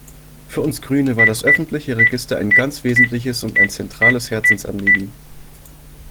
Für uns Grüne war das öffentliche Register ein ganz wesentliches und ein zentrales Herzensanliegen.